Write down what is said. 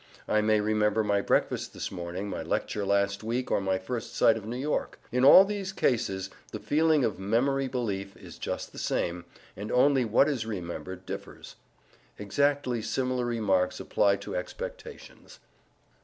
I may remember my breakfast this morning, my lecture last week, or my first sight of New York. In all these cases the feeling of memory belief is just the same, and only what is remembered differs. Exactly similar remarks apply to expectations.